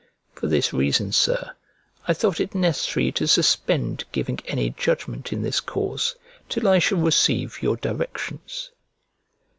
For this reason, Sir, I thought it necessary to suspend giving any judgment in this cause till I shall receive your directions.